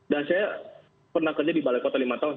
dan saya pernah kerja di balai kota lima tahun